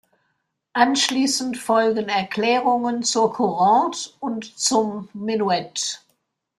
Anschließend folgen Erklärungen zur Courante und zum Menuett.